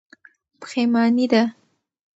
پښېماني ده.